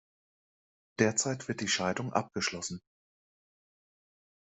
Derzeit wird die Scheidung abgeschlossen.